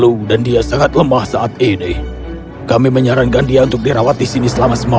dia terkena flu dan dia sangat lemah saat edeh kami menyarankan dia untuk dirawat di sini selama semalam